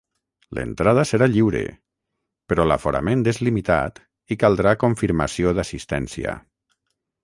L'entrada serà lliure, però l'aforament és limitat i caldrà confirmació d'assistència.